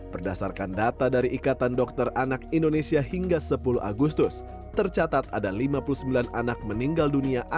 berdasarkan data dari ikatan dokter anak indonesia hingga sepuluh agustus tercatat ada lima puluh sembilan anak meninggal dunia